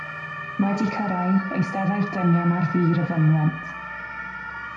Wedi cyrraedd, eisteddai'r dynion ar fur y fynwent.